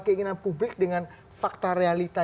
keinginan publik dengan fakta realita